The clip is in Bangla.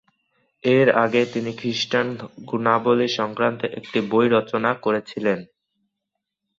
এর আগে তিনি খ্রিষ্টান গুণাবলি সংক্রান্ত একটি বই রচনা করেছিলেন।